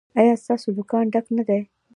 ایا ستاسو دکان ډک نه دی؟